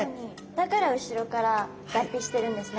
だから後ろから脱皮してるんですね。